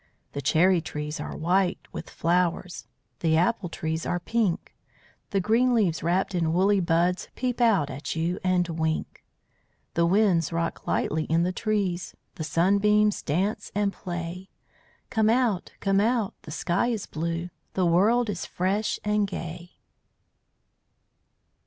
The cherry trees are white with flowers, The apple trees are pink. The green leaves wrapped in woolly buds Peep out at you and wink. The winds rock lightly in the trees: The sunbeams dance and play. Come out! Come out! The sky is blue, The world is fresh and gay.